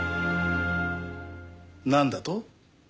なんだと？